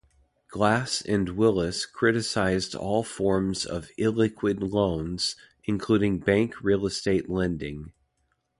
Glass and Willis criticized all forms of "illiquid loans" including bank real estate lending.